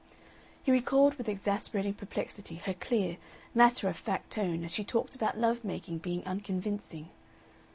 He recalled with exasperating perplexity her clear, matter of fact tone as she talked about love making being unconvincing.